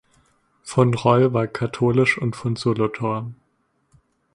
Von Roll war katholisch und von Solothurn.